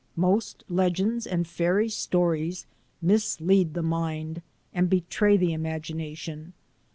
Most legends and fairy stories mislead the mind and betray the imagination.